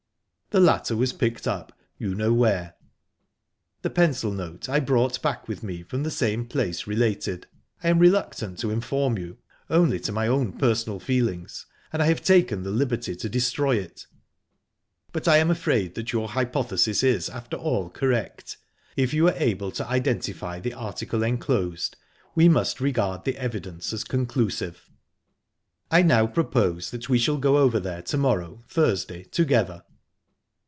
The latter was picked up you know where. The pencil note I brought back with me from the same place related, I am reluctant to inform you, only to my own personal feelings, and I have taken the liberty to destroy it; but I am afraid that your hypothesis is, after all, correct. If you are able to identify the article enclosed, we must regard the evident as conclusive. "I now propose that we shall go over there to morrow (Thursday) _together.